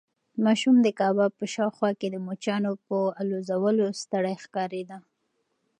ماشوم د کباب په شاوخوا کې د مچانو په الوزولو ستړی ښکارېده.